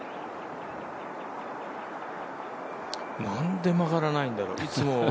何で曲がらないんだろう。